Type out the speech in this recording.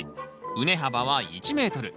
畝幅は１ｍ。